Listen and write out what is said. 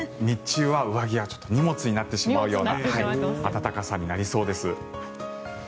日中は上着はちょっと荷物になってしまうような暖かさになりそうです。